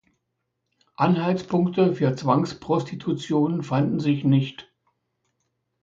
Anhaltspunkte für Zwangsprostitution fanden sich nicht.